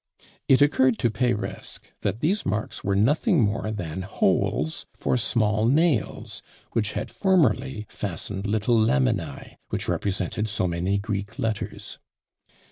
It occurred to Peiresc that these marks were nothing more than holes for small nails, which had formerly fastened little laminæ, which represented so many Greek letters.